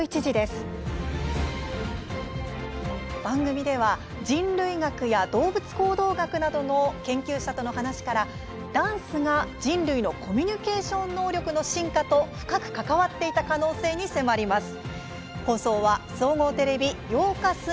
番組では人類学や動物行動学などの研究者との話からダンスが人類のコミュニケーション能力の進化と深く関わっていた可能性に迫ります。